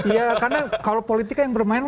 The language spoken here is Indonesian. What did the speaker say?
iya karena kalau politika yang bermain